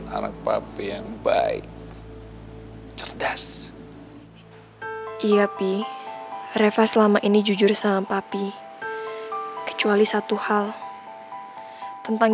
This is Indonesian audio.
anak papi yang baik cerdas iyapi reva selama ini jujur sama papi kecuali satu hal tentang